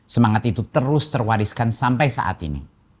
semangat itu terus terwariskan sampai saat ini